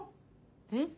えっ？